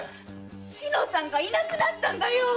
志乃さんがいなくなったんだよ！